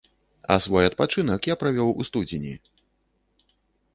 А свой адпачынак я правёў у студзені.